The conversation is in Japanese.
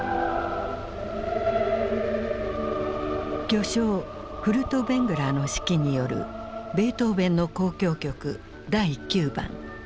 巨匠フルトヴェングラーの指揮によるベートーヴェンの「交響曲第９番」。